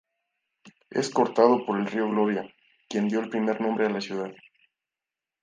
Es cortado por el Río Gloria, que dio el primer nombre a la ciudad.